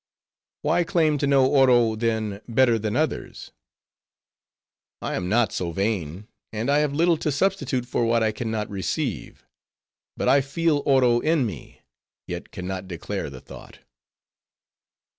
"Why claim to know Oro, then, better than others?" "I am not so vain; and I have little to substitute for what I can not receive. I but feel Oro in me, yet can not declare the thought."